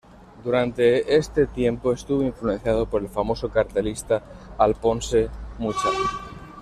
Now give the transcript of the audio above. Durante este tiempo estuvo influenciado por el famoso cartelista Alphonse Mucha.